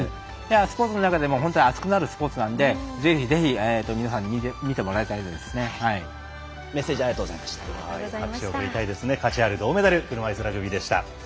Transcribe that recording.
スポーツの中でも本当に熱くなるスポーツなのでぜひぜひ皆さんにメッセージ価値ある銅メダル車いすラグビーでした。